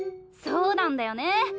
そうなんだよね。